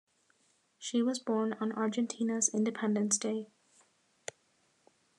She was born on Argentina's Independence Day.